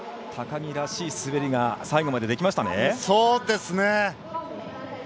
高木らしい滑りが最後までできましたね。